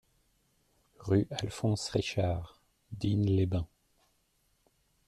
Rue Alphonse Richard, Digne-les-Bains